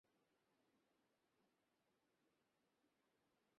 Pakistani opener Ahmed Shehzad কাল পেয়ে গেলেন দেশের পক্ষে প্রথম সেঞ্চুরিটাও।